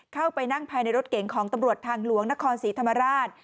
เข้าไปนั่งภายในรถเก๋งของตำรวจทางหลวงนครศรีธรรมราช